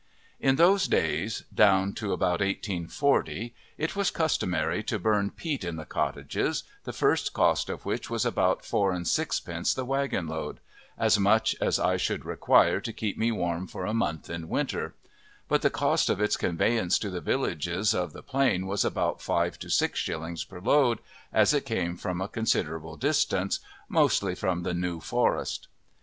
In those days down to about 1840, it was customary to burn peat in the cottages, the first cost of which was about four and sixpence the wagon load as much as I should require to keep me warm for a month in winter; but the cost of its conveyance to the villages of the Plain was about five to six shillings per load, as it came from a considerable distance, mostly from the New Forest.